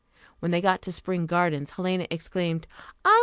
When they got to Spring Gardens, Helena exclaimed, "Oh!